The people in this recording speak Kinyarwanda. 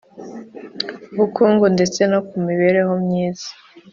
Bukungu ndetse no ku mibereho myiza